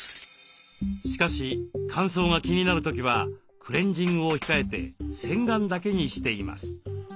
しかし乾燥が気になる時はクレンジングを控えて洗顔だけにしています。